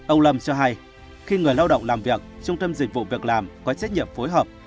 ông lâm cho hay khi người lao động làm việc trung tâm dịch vụ việc làm có trách nhiệm phối hợp